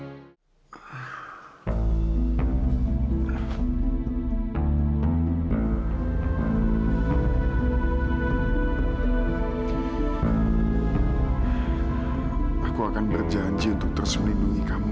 sampai jumpa di video selanjutnya